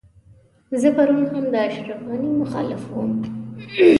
زه پرون هم د اشرف غني مخالف وم.